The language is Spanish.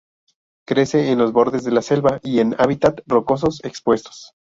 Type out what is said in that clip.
Crece en los bordes de la selva y en hábitat rocosos expuestos.